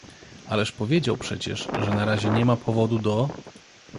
— Ależ powiedział przecież, że na razie nie ma powodu do…